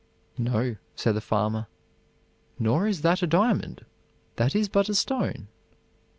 "No," said the farmer, "nor is that a diamond. That is but a stone."